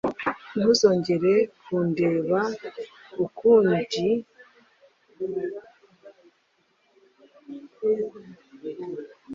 Ntuzongere kundeba ukundierikpen